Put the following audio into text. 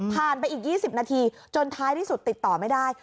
ไปอีก๒๐นาทีจนท้ายที่สุดติดต่อไม่ได้